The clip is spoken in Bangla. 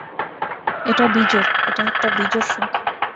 এটা বিজোড়, এটা একটা বিজোড় সংখ্যা।